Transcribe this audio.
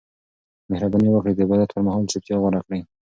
مهرباني وکړئ د عبادت پر مهال چوپتیا غوره کړئ.